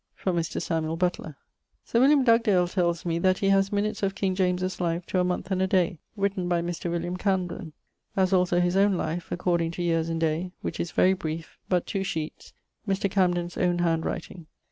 From Mr. Samuel Butler. Sir William Dugdale tells me that he haz minutes of King James's life to a moneth and a day, written by Mr. William Camden; as also his owne life, according to yeares and daye, which is very briefe, but 2 sheetes, Mr. Camden's owne hand writing.